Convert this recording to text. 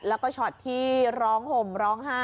แล้วก็เช็บใช้ที่ร้องห่อกรรมร้องห้าย